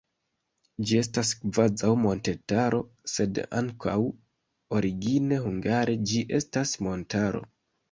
Ĝi estas kvazaŭ montetaro, sed ankaŭ origine hungare ĝi estas montaro.